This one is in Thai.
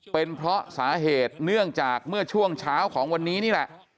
เป็นเพราะสาเหตุเนื่องจากเมื่อช่วงเช้าของวันนี้นี่แหละ